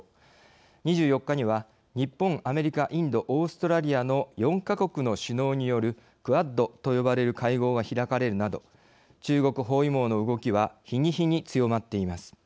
２４日には日本、アメリカインド、オーストラリアの４か国の首脳によるクアッドと呼ばれる会合が開かれるなど中国包囲網の動きは日に日に強まっています。